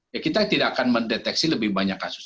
ya kita tidak akan mendeteksi lebih banyak kasus